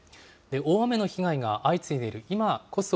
大雨の被害が相次いでいる今こそ。